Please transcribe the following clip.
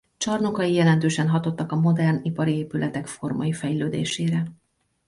Csarnokai jelentősen hatottak a modern ipari épületek formai fejlődésére.